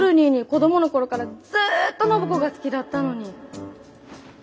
子供の頃からずっと暢子が好きだったのに。